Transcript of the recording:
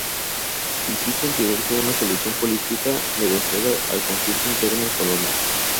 Insiste en que urge una solución política negociada al conflicto interno en Colombia.